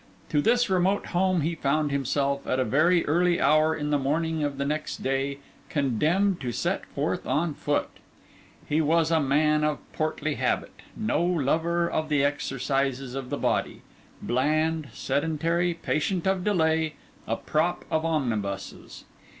To this remote home he found himself, at a very early hour in the morning of the next day, condemned to set forth on foot. He was a young man of a portly habit; no lover of the exercises of the body; bland, sedentary, patient of delay, a prop of omnibuses.